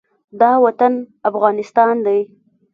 دا وطن افغانستان دی